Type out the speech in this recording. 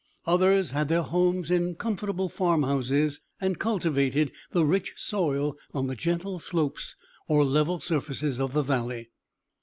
Others had their homes in comfortable farmhouses, and cultivated the rich soil on the gentle slopes or level surfaces of the valley.